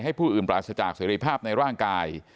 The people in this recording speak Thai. ผู้อื่นปราศจากเสรีภาพในร่างกาย